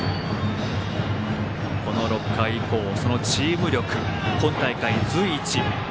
この６回以降そのチーム力今大会随一。